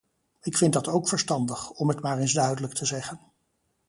Ik vind dat ook verstandig, om het maar eens duidelijk te zeggen.